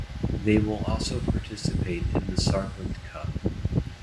They will also participate in the Saarland Cup.